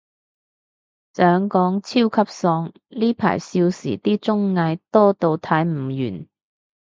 想講，超級爽，呢排少時啲綜藝，多到睇唔完